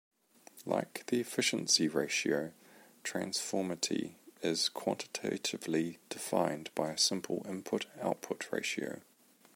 Like the efficiency ratio, transformity is quantitatively defined by a simple input-output ratio.